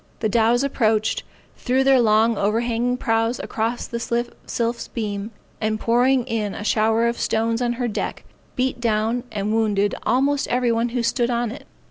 The dows approached, threw their long overhanging prows across the Sylph's beam, and pouring in a shower of stones on her deck, beat down and wounded almost every one who stood on it.